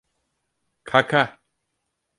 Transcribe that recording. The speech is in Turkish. Kaka!